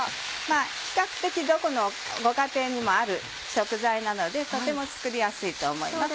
比較的どこの家庭にもある食材なのでとても作りやすいと思います。